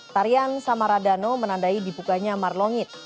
tarian samaradano menandai dibukanya marlongit